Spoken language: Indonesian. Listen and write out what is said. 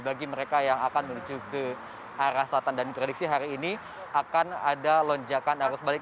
bagi mereka yang akan menuju ke arah selatan dan prediksi hari ini akan ada lonjakan arus balik